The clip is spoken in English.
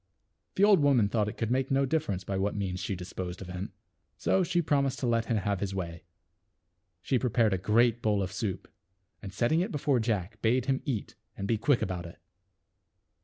The old woman thought it could make no difference by what means she disposed of him. So she prom ised to let him have his way. She prepared a great bowl of soup, and setting it before Jack bade him eat and be quick about it.